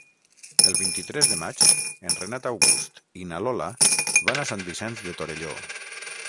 El vint-i-tres de maig en Renat August i na Lola van a Sant Vicenç de Torelló.